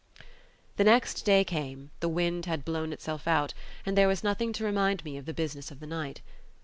The next day came, the wind had blown itself out, and there was nothing to remind me of the business of the night.